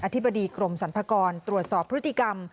ธิบดีกรมสรรพากรตรวจสอบพฤติกรรม